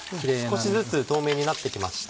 少しずつ透明になってきました。